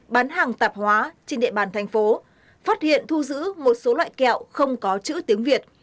bán hàng tạp hóa trên địa bàn thành phố phát hiện thu giữ một số loại kẹo không có chữ tiếng việt